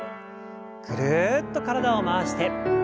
ぐるっと体を回して。